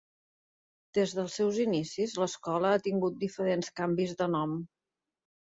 Des dels seus inicis, l'escola ha tingut diferents canvis de nom.